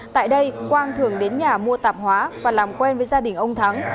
tại đây quang thường đến nhà mua tạp hóa và làm quen với gia đình ông thắng